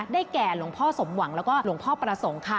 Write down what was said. แก่หลวงพ่อสมหวังแล้วก็หลวงพ่อประสงค์ค่ะ